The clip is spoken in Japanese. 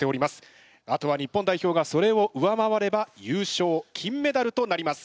あとは日本代表がそれを上回れば優勝金メダルとなります。